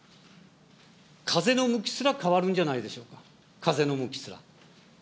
風の向きすら変わるんじゃないでしょうか、風の向きすら。